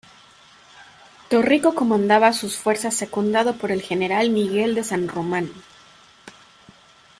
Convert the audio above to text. Torrico comandaba sus fuerzas secundado por el general Miguel de San Román.